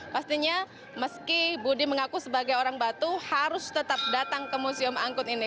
pastinya meski budi mengaku sebagai orang batu harus tetap datang ke museum angkut ini